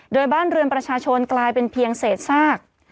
โดยบ้านเรือนประชาชนกลายเป็นเพียงเศษซาก